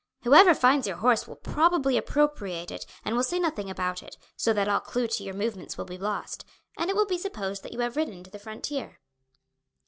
Whoever finds your horse will probably appropriate it and will say nothing about it, so that all clue to your movements will be lost, and it will be supposed that you have ridden to the frontier."